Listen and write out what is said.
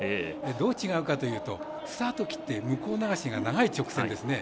どう違うかというとスタートを切って向こう流しが長い直線ですね。